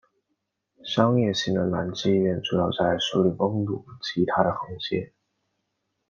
商业性的男妓院主要在素里翁路及它的横街。